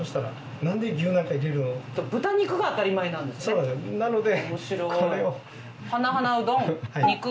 そうなんですなのでこれを。